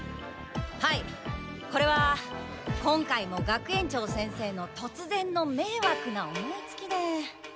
はいこれは今回も学園長先生のとつぜんのめいわくな思いつきで。